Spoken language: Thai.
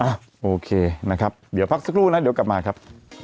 โอเคนะครับเดี๋ยวพักสักครู่นะเดี๋ยวกลับมาครับ